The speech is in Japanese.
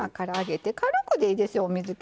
軽くでいいですよ水け。